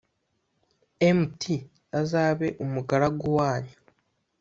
Mt azabe umugaragu wanyu